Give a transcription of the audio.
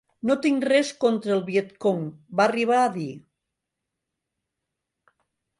No tinc res contra el Vietcong, va arribar a dir.